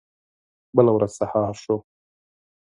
بله ورځ سهار شو.